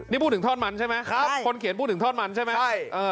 นี่พูดถึงท่อนมันใช่ไหมครับคนเขียนพูดถึงท่อนมันใช่ไหม